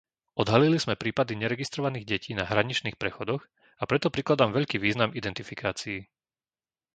Odhalili sme prípady neregistrovaných detí na hraničných prechodoch a preto prikladám veľký význam identifikácii.